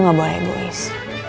aku gak boleh berpikir pikir